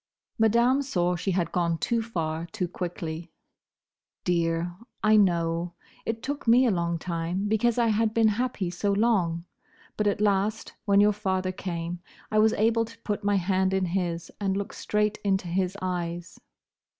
Madame saw she had gone too far too quickly. "Dear, I know. It took me a long time, because I had been happy so long; but at last, when your father came, I was able to put my hand in his, and look straight into his eyes."